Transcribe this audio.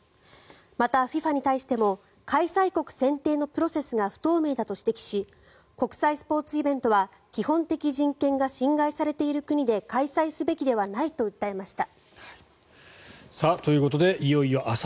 また、ＦＩＦＡに対しても開催国選定のプロセスが不透明だと指摘し国際スポーツイベントは基本的人権が侵害されている国で開催すべきではないと訴えました。